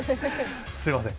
すみません。